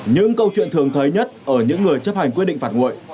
những câu chuyện thường thới nhất ở những người chấp hành quyết định phạt nguội